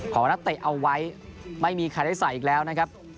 ของนักเตะเอาไว้ไม่มีใครได้ใส่อีกแล้วนะครับ